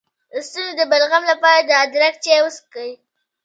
د ستوني د بلغم لپاره د ادرک چای وڅښئ